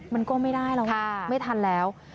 มันก็ไม่ได้แล้วไม่ทันแล้ว